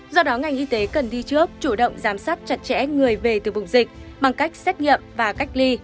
do đó ngành y tế cần đi trước chủ động giám sát chặt chẽ người về từ vùng dịch bằng cách xét nghiệm và cách ly